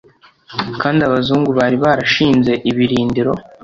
kandi abazungu bari barashinze ibirindiro